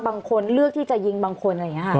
บางคนเลือกที่จะยิงบางคนอะไรอย่างนี้ค่ะ